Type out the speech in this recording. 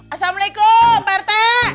assalamualaikum pak rt